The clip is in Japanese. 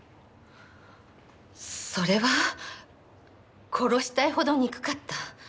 それは殺したいほど憎かった。